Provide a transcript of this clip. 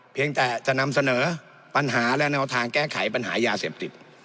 เพียงแต่จะนำเสนอปัญหาและแนวทางแก้ไขปัญหายาเสพติด